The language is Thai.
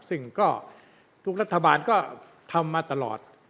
ซึ่งก็ทุกรัฐบาลก็ทำมาตลอด